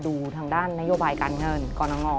ดูทางด้านนโยบายการเงินกรณง